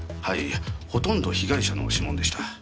はいほとんど被害者の指紋でした。